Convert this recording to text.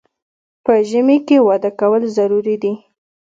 په ژمي کې واده کول ضروري دي